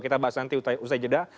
kita bahas nanti usai jeda